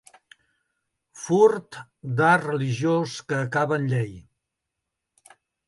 Furt d'art religiós que acaba en llei.